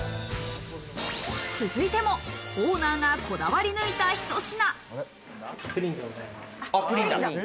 続いても、オーナーがこだわり抜いたひと品。